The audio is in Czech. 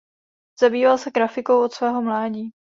Zabýval se grafikou od svého mládí.